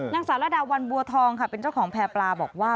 สารดาวันบัวทองค่ะเป็นเจ้าของแพร่ปลาบอกว่า